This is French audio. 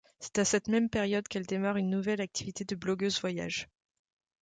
C'est à cette même période qu'elle démarre une nouvelle activité de blogueuse voyages.